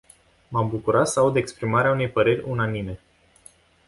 M-am bucurat să aud exprimarea unei păreri unanime.